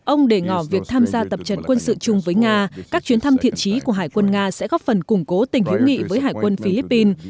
ông để ngỏ việc tham gia tập trận quân sự chung với nga các chuyến thăm thiện trí của hải quân nga sẽ góp phần củng cố tình hữu nghị với hải quân philippines